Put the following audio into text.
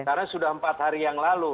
karena sudah empat hari yang lalu